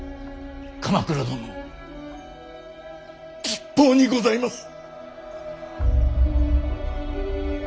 鎌倉殿吉報にございます。